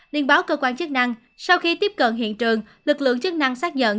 nên báo cơ quan chức năng sau khi tiếp cận hiện trường lực lượng chức năng xác nhận